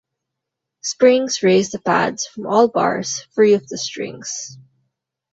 Springs raise the pads from all bars free of the strings.